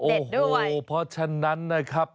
โอ้โหเพราะฉะนั้นนะครับ